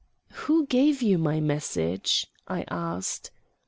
"Who gave you my message?" I asked.